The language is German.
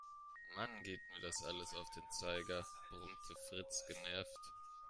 "Mann, geht mir das alles auf den Zeiger", brummte Fritz genervt.